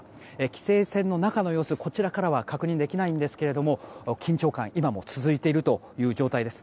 規制線の中の様子はこちらから確認できないんですけど緊張感が今も続いているという状態です。